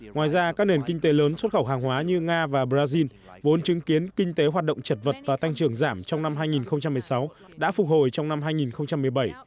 ngoài ra các nền kinh tế lớn xuất khẩu hàng hóa như nga và brazil vốn chứng kiến kinh tế hoạt động chật vật và tăng trưởng giảm trong năm hai nghìn một mươi sáu đã phục hồi trong năm hai nghìn một mươi bảy